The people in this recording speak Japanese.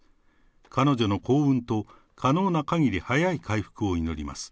彼女の幸運と可能なかぎり早い回復を祈ります。